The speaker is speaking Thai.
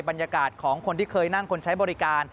บรรยากาศของคนที่เคยนั่งคนใช้บริการ